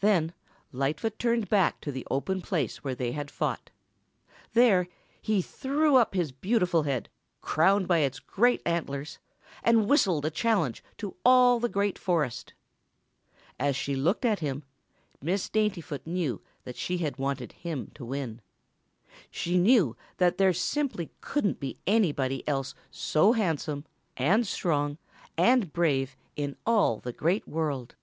Then Lightfoot turned back to the open place where they had fought. There he threw up his beautiful head, crowned by its great antlers, and whistled a challenge to all the Green Forest. As she looked at him, Miss Daintyfoot knew that she had wanted him to win. She knew that there simply couldn't be anybody else so handsome and strong and brave in all the Great World.